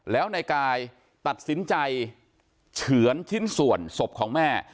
แล้วนายกายตัดสินใจเฉือนชิ้นส่วนศพของแม่